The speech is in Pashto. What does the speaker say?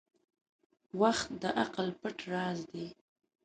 • وخت د عقل پټ راز دی.